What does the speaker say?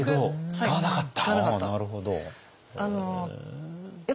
使わなかった。